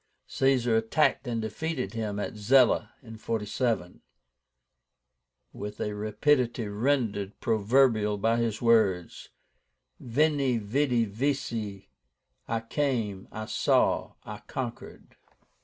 Caesar attacked and defeated him at ZELA (47), with a rapidity rendered proverbial by his words, Veni, vidi, vici, I CAME, I SAW, I CONQUERED.